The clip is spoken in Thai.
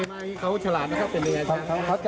มาถึงบ้านทำไมทรงน้องให้ก็เหอะ